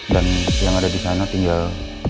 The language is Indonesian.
dan yang ada di sana tinggal